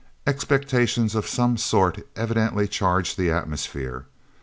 Expectation of some sort evidently charged the atmosphere.